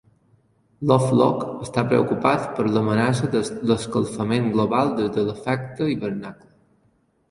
Lovelock està preocupat per l'amenaça de l'escalfament global des de l'efecte hivernacle.